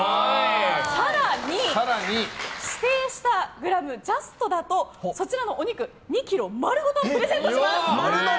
更に、指定したグラムジャストだとそちらのお肉２ｋｇ丸ごとプレゼントします！